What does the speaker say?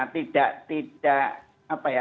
tidak tidak apa ya